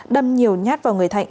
đâm nhiều nhát vào người thạnh